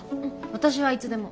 私はいつでも。